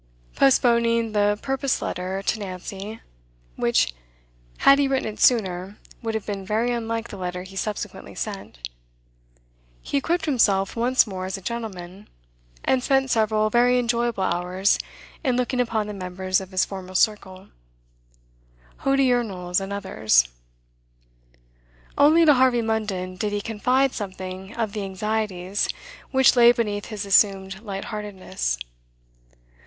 Postponing the purposed letter to Nancy (which, had he written it sooner, would have been very unlike the letter he subsequently sent), he equipped himself once more as a gentleman, and spent several very enjoyable hours in looking up the members of his former circle Hodiernals and others. Only to Harvey Munden did he confide something of the anxieties which lay beneath his assumed lightheartedness.